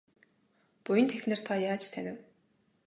Буянт эхнэр та яаж танив?